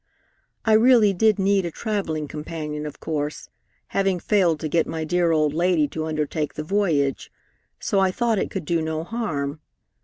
"I really did need a travelling companion, of course, having failed to get my dear old lady to undertake the voyage, so I thought it could do no harm.